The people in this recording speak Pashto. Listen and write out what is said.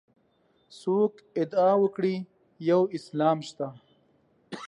څوک ادعا وکړي یو اسلام شته.